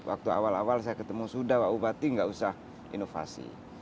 waktu awal awal saya ketemu sudah pak bupati nggak usah inovasi